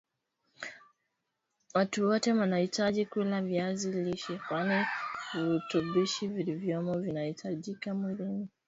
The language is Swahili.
Watu wote wanahitaji kula viazi lishe kwani virutubishi vilivyomo vinahitajika mwilini